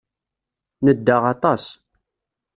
Nedda aṭas.